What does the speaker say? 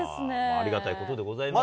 ありがたいことでございますよ。